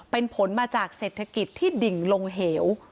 เป็นผลมาจากเศรษฐกิจที่ดิ่งลงเหว